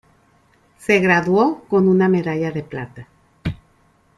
Se graduó con una medalla de plata.